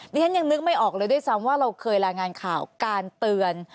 ฉันยังนึกไม่ออกเลยด้วยซ้ำว่าเราเคยรายงานข่าวการเตือน